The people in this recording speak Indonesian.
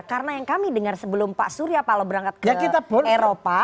karena yang kami dengar sebelum pak surya palo berangkat ke eropa